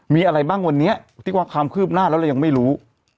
มีอะไรบ้างวันนี้ที่ว่าความคืบหน้าแล้วเรายังไม่รู้